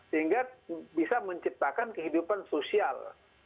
sehingga bisa menciptakan kehidupan sosial